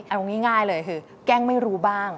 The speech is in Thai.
เอาง่ายเลยคือแกล้งไม่รู้บ้าง